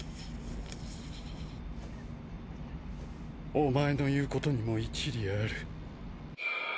お前の言うことにも一理ある。